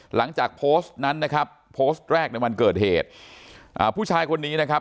หลังจากโพสต์นั้นนะครับโพสต์แรกในวันเกิดเหตุอ่าผู้ชายคนนี้นะครับ